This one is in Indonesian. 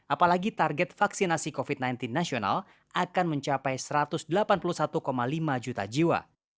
apalagi target vaksinasi covid sembilan belas nasional akan mencapai satu ratus delapan puluh satu lima juta jiwa